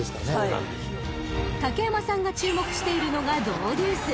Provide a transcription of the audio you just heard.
［竹山さんが注目しているのがドウデュース］